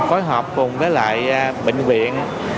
phối hợp cùng với lại bệnh viện